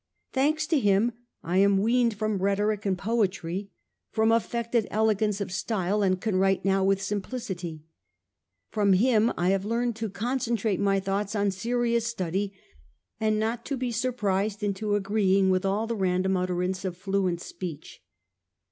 Thanks to him I am weaned from rhetoric o 2 84 The Age of the A ntonines. a. u and poetry, from affected elegance of style, and can write now with simplicity. From him I have learned to concen trate my thoughts on serious study, and not to be surprised intoagreeing with all the random utterance of fluent speech.